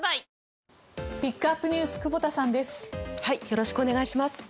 よろしくお願いします。